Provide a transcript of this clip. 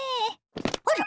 あら！